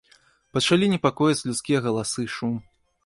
Пачалі непакоіць людскія галасы, шум.